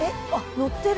乗ってる。